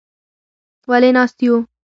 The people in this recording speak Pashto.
_ولې ناست يو؟